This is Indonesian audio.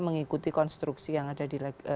mengikuti konstruksi yang ada di